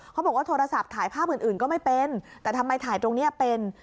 โทรศัพท์ถ่ายภาพอื่นก็ไม่เป็นแต่ทำไมถ่ายตรงนี้เป็น